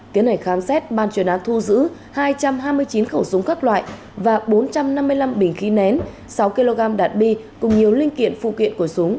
tiến hành khám xét ban chuyên án thu giữ hai trăm hai mươi chín khẩu súng các loại và bốn trăm năm mươi năm bình khí nén sáu kg đạn bi cùng nhiều linh kiện phụ kiện của súng